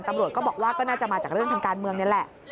ตำรวจก็บอกว่าก็น่าจะมาจากเรื่องทางการเมืองนี่แหละ